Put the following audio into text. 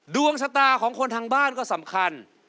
ดวงชะตาของคนทางบ้านก็สำคัญ